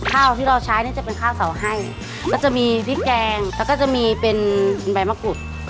ข้าวที่เราใช้เนี่ยจะเป็นข้าวเสาให้ก็จะมีพริกแกงแล้วก็จะมีเป็นใบมะกรูด